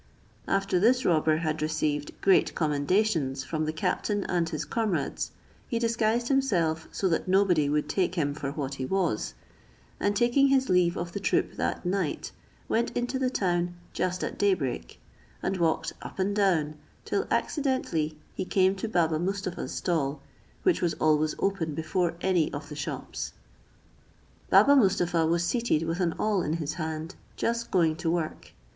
After this robber had received great commendations from the captain and his comrades, he disguised himself so that nobody would take him for what he was; and taking his leave of the troop that night, went into the town just at day break; and walked up and down, till accidentally he came to Baba Mustapha's stall, which was always open before any of the shops. Baba Mustapha was seated with an awl in his hand, just going to work.